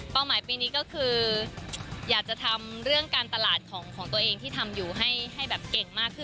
หมายปีนี้ก็คืออยากจะทำเรื่องการตลาดของตัวเองที่ทำอยู่ให้แบบเก่งมากขึ้น